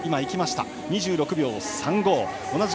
２６秒３５。